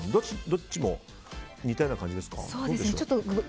どっちも似たような感じですか。